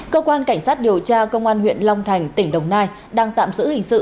cơ quan cảnh sát điều tra công an huyện long thành tỉnh đồng nai đang tạm giữ hình sự